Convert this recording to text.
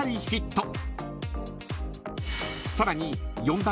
［さらに］